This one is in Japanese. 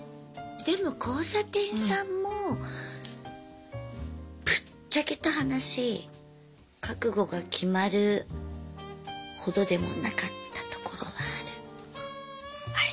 でも交差点さんもぶっちゃけた話覚悟が決まるほどでもなかったところはある？